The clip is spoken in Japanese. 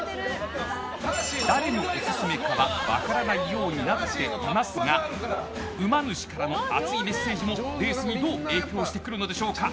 誰のオススメかは分からないようになっていますがうま主からの熱いメッセージもレースにどう影響してくるのでしょうか。